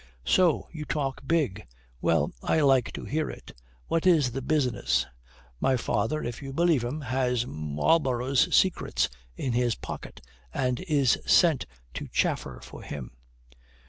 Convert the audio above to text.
"So. You talk big. Well, I like to hear it. What is the business?" "My father, if you believe him, has Marlborough's secrets in his pocket and is sent to chaffer for him.